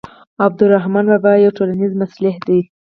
عبدالرحمان بابا یو ټولنیز مصلح دی.